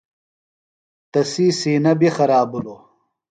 تسی سِینہ بیۡ خراب بِھلوۡ۔